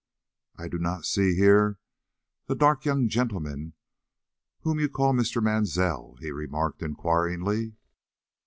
"I do not see here the dark young gentleman whom you call Mr. Mansell?" he remarked, inquiringly.